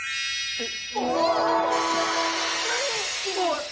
えっ？